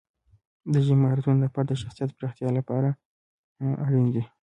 د ژبې مهارتونه د فرد د شخصیت پراختیا لپاره اړین دي.